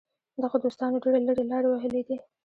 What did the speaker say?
دغو دوستانو ډېرې لرې لارې وهلې دي.